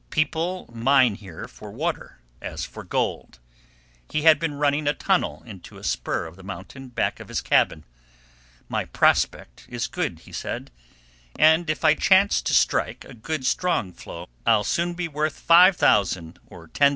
People mine here for water as for gold. He had been running a tunnel into a spur of the mountain back of his cabin. "My prospect is good," he said, "and if I chance to strike a good, strong flow, I'll soon be worth $5000 or $10,000.